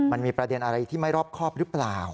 มันมีประเด็นอะไรที่ไม่รอบครอบหรือเปล่า